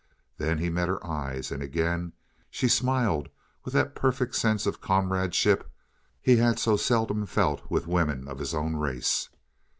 Then he met her eyes, and again she smiled with that perfect sense of comradeship he had so seldom felt with women of his own race.